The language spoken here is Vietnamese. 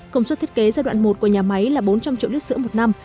công suất thiết kế giai đoạn một của nhà máy là bốn trăm linh triệu lít sữa một năm